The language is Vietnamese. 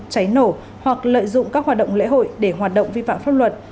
cháy nổ hoặc lợi dụng các hoạt động lễ hội để hoạt động vi phạm pháp luật